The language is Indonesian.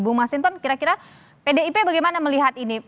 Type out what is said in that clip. bu masinton kira kira pdip bagaimana melihat ini